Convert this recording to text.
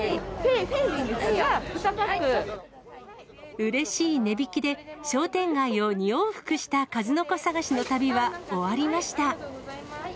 うれしい値引きで、商店街を２往復した、かずのこ探しの旅は終わりました。